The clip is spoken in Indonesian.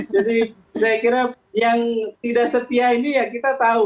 jadi saya kira yang tidak setia ini ya kita tahu